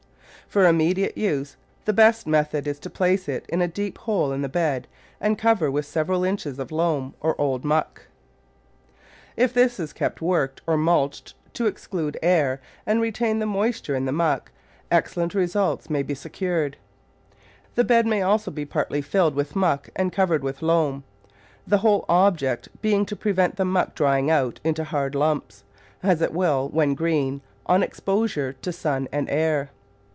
For immediate use the best method is to place it in a deep hole in the bed and cover with several inches of loam, or old muck. If this is kept worked or mulched to exclude air and Digitized by Google Two] $Otl0 19 retain the moisture in the muck, excellent results may be secured. The bed may also be partly filled with muck and covered with loam, the whole object being to prevent the muck drying out into hard lumps, as it will, when green, on exposure to sun and air.